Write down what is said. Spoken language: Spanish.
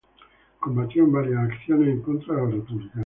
Combatió en varias acciones en contra de los republicanos.